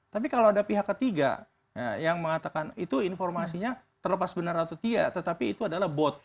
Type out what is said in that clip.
tapi kalau ada pihak ketiga yang mengatakan itu informasinya terlepas benar atau tidak tetapi itu adalah bot